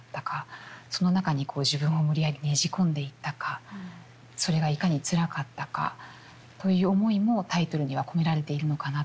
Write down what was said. その中にこう自分を無理やりねじ込んでいったかそれがいかにつらかったかという思いもタイトルには込められているのかなと。